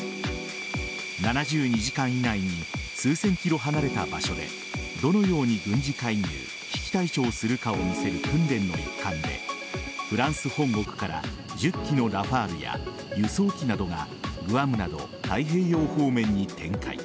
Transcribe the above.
７２時間以内に数千ｋｍ離れた場所でどのように軍事介入危機対処をするかを見せる訓練の一環でフランス本国から１０機のラファールや輸送機などがグアムなど太平洋方面に展開。